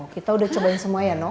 kita udah cobain semuanya no